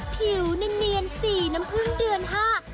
ผิวเนียนสี่น้ำผึ้งเดือนห้า